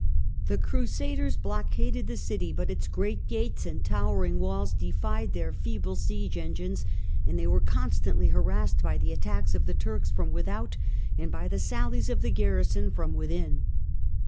1098"'^^ The Crusaders blockaded the city, but its great gates and towered walls defied their feeble siege engines, and they were constantly harassed by the attacks of the Turks from without and by the sallies of the garrison from within.